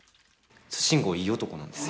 慎吾いい男なんです。